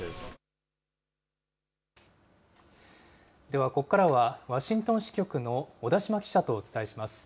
ではここからは、ワシントン支局の小田島記者とお伝えします。